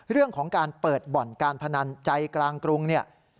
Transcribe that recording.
เรื่องของการเปิดบ่อนการพนันใจกลางกรุงเนี่ย